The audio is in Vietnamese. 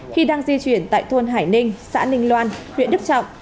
khi đang di chuyển tại thôn hải ninh xã ninh loan huyện đức trọng